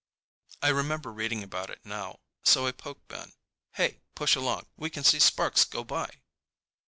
I remember reading about it now, so I poke Ben. "Hey, push along! We can see Sparks go by!"